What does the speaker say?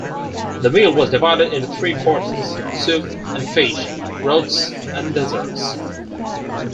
The meal was divided into three courses: soup and fish; roasts; and desserts.